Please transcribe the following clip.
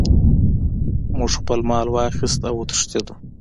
موږ خپل مال واخیست او وتښتیدو.